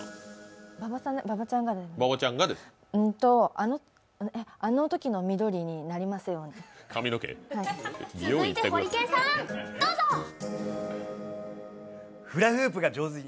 あのときの緑になりますように。